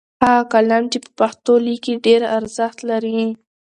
هغه قلم چې په پښتو لیکي ډېر ارزښت لري.